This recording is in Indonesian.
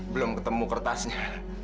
belum ketemu kertasnya